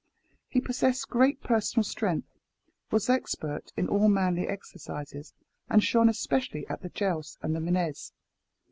He possessed great personal strength, was expert in all manly exercises, and shone especially at the jousts and the manege.